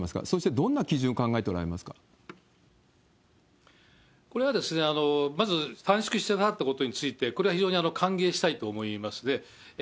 そしてどんな基準を考えておられこれはまず、短縮したなっていうことについて、これは非常に歓迎したいと思いますね。